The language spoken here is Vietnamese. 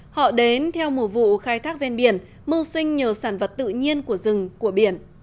họ đến theo mùa vụ khai thác ven biển mưu sinh nhờ sản vật tự nhiên của rừng của biển